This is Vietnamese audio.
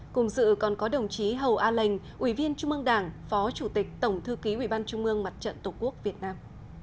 cùng dự còn có đồng chí hầu a lênh ủy viên trung mương đảng phó chủ tịch tổng thư ký ubnd mặt trận tổ quốc việt nam